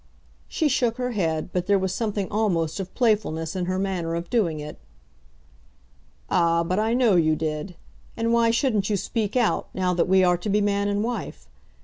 She shook her head, but there was something almost of playfulness in her manner of doing it. "Ah, but I know you did. And why shouldn't you speak out, now that we are to be man and wife?